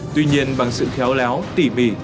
tuy nhiên bằng sự khéo léo tỉ mỉ